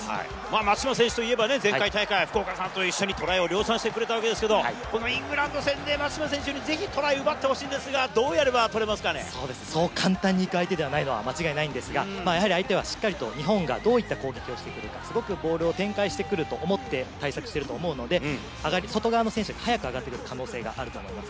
松島選手といえば前回大会、福岡さんと一緒にトライを量産してくれたわけですけど、イングランド戦で松島選手にぜひトライを奪ってほしいですが、そうですね、そう簡単にいく相手ではないので間違いないんですが、相手はしっかり日本がどういう攻撃をしてくるのか思って、対策していると思うので、外側の選手が早く上がってくる可能性があると思います。